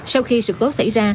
sau khi sự cố xảy ra